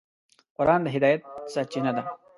قرآن د هدایت سرچینه ده.